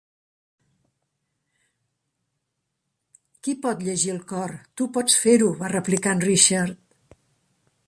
"Qui pot llegir el cor?" "Tu pots fer-ho", va replicar en Richard.